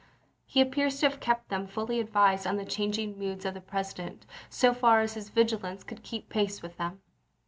He appears to have kept them fully advised of the changing moods of the Presi dent, so far as his vigilance could keep pace with them.